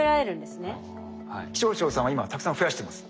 気象庁さんは今たくさん増やしてます。